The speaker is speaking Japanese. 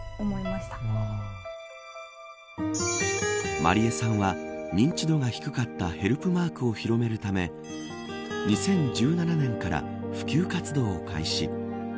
麻莉絵さんは認知度が低かったヘルプマークを広めるため２０１７年から普及活動を開始。